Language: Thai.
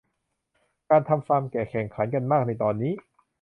การทำฟาร์มแกะแข่งขันกันมากในตอนนี้